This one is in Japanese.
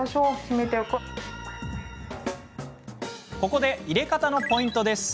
ここで、入れ方のポイントです。